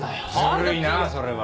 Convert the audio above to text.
ずるいなそれは。